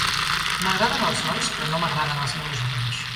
M'agraden els nois, però no m'agraden els meus anys.